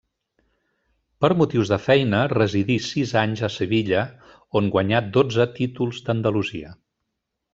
Per motius de feina residí sis anys a Sevilla, on guanyà dotze títols d'Andalusia.